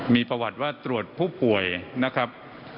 มีประวัติว่าตรวจผู้ป่วยนะครับ